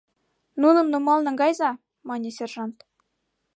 — Нуным нумал наҥгайыза! — мане сержант.